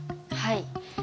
はい。